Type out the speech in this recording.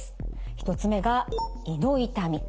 １つ目が胃の痛み。